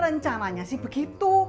rencananya sih begitu